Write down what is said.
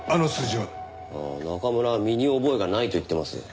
中村は身に覚えがないと言ってます。